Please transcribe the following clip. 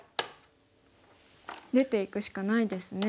出ていくしかないですね。